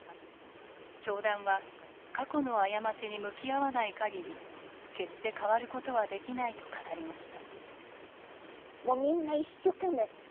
教団は過去の過ちに向き合わないかぎり決して変わることはできないと語りました。